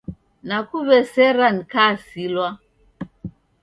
Nakuw'esera nikasilwa.